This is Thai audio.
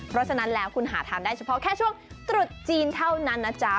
เพราะฉะนั้นแล้วคุณหาทานได้เฉพาะแค่ช่วงตรุษจีนเท่านั้นนะจ๊ะ